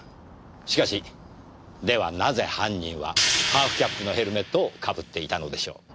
しかしではなぜ犯人はハーフキャップのヘルメットをかぶっていたのでしょう。